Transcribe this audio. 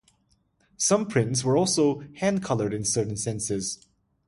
Some prints were also hand colored in certain scenes.